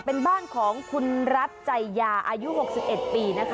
เป็นบ้านของคุณรัฐใจยาอายุ๖๑ปีนะคะ